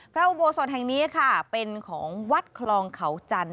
อุโบสถแห่งนี้ค่ะเป็นของวัดคลองเขาจันท